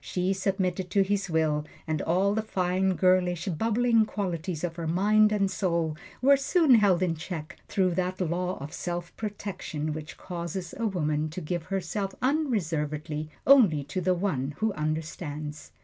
She submitted to his will, and all the fine, girlish, bubbling qualities of her mind and soul were soon held in check through that law of self protection which causes a woman to give herself unreservedly only to the One who Understands.